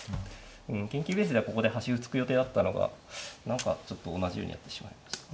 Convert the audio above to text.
研究ベースではここで端歩突く予定だったのが何かちょっと同じようにやってしまいました。